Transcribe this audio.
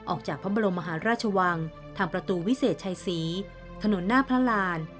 ออกจากพระบรมมหาราชวังทางประตูวิเศษชัยศรีถนนหน้าพระราน